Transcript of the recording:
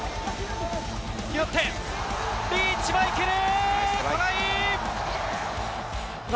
拾って、リーチマイケル。